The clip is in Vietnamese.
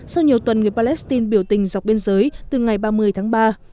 sau nhiều tuần người palestine biểu tình dọc biên giới từ ngày ba mươi tháng ba